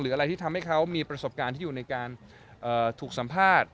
อะไรที่ทำให้เขามีประสบการณ์ที่อยู่ในการถูกสัมภาษณ์